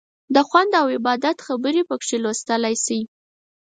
د خوند او عبادت خبرې پکې لوستلی شئ.